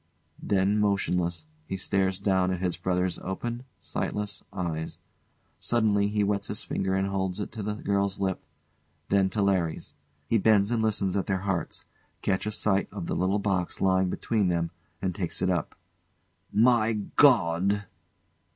[Then, motionless, he stares down at his brother's open, sightless eyes. Suddenly he wets his finger and holds it to the girl's lips, then to LARRY'S.] [He bends and listens at their hearts; catches sight of the little box lying between them and takes it up.] My God!